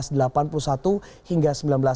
dulu satu hingga seribu sembilan ratus delapan puluh dua